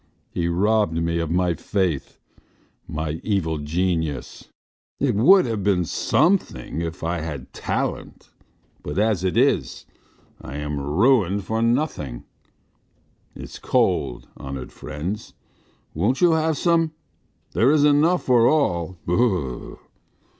... He robbed me of my faith my evil genius! It would have been something if I had had talent, but as it is, I am ruined for nothing. ... It's cold, honoured friends. ... Won't you have some? There is enough for all.